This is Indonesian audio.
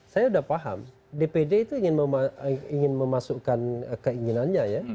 saya sudah paham dpd itu ingin memasukkan keinginannya ya